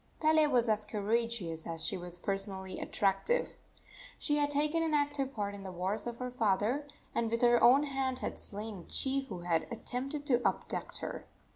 Pele was as courageous as she was personally attractive. She had taken an active part in the wars of her father, and with her own hand had slain a chief who attempted to abduct her.